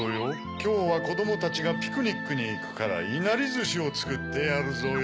きょうはこどもたちがピクニックにいくからいなりずしをつくってやるぞよ。